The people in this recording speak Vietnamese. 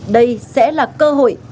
đây sẽ là cơ hội